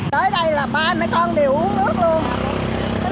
tới đây là ba mẹ con đều uống nước luôn